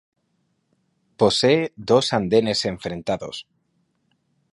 Posee dos andenes enfrentados.